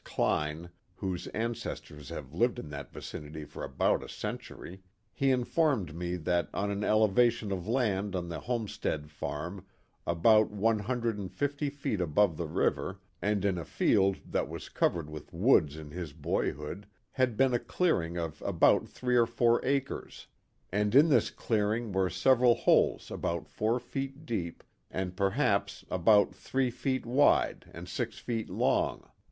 Kline, whose ancestors have lived in that vicinity for about a century, he informed me that on an elevation of land on the homestead farm, about one hundred and fifty feet above the river, and in a field that was covered with woods in his boyhood, had been a clearing of about three or four acres, and in this clearing were several holes about four feet deep and perhaps about three feet wide and six feet long.